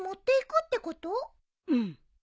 うん。